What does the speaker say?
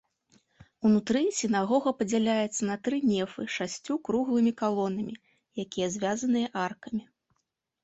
Унутры сінагога падзяляецца на тры нефы шасцю круглымі калонамі, якія звязаныя аркамі.